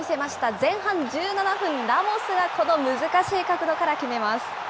前半１７分、ラモスがこの難しい角度から決めます。